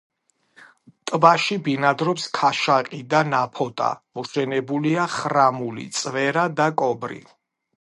ტბაში ბინადრობს ქაშაყი და ნაფოტა; მოშენებულია ხრამული, წვერა და კობრი.